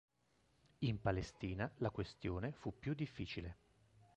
In Palestina la questione fu più difficile.